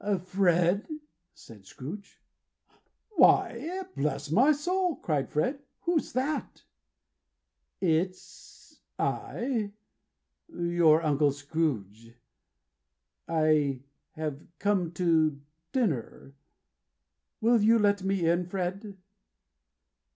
"Fred!" said Scrooge. "Why, bless my soul!" cried Fred, "who's that?" "It's I. Your Uncle Scrooge. I have come to dinner. Will you let me in, Fred?"